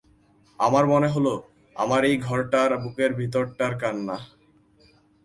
আমার মনে হল, আমার এই ঘরটার বুকের ভিতরটার কান্না।